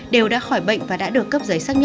đều đã khỏi bệnh và đã được cấp giấy xác nhận